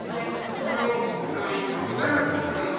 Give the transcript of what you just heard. この間ちょっと離れなかったなみたいなのない？